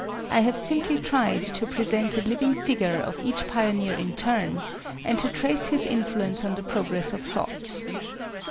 I have simply tried to present a living figure of each Pioneer in turn, and to trace his influence on the progress of thought.